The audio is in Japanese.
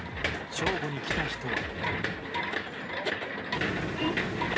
正午に来た人は。